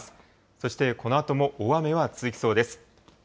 そしてこのあとも大雨は続きそうです。